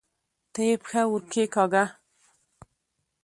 ته یې پښه ورکښېکاږه!